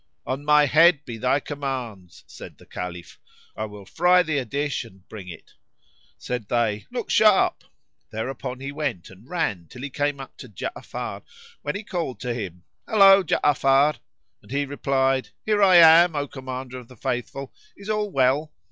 "On my head be thy commands!" said the Caliph, "I will fry thee a dish and bring it." Said they, "Look sharp." Thereupon he went and ran till he came up to Ja'afar when he called to him, "Hallo, Ja'afar!"; and he replied, "Here am I, O Commander of the Faithful, is all well?"